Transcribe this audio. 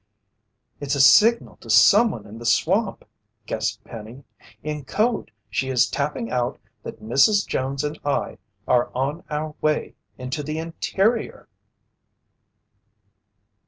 "It's a signal to someone in the swamp!" guessed Penny. "In code she is tapping out that Mrs. Jones and I are on our way into the interior!"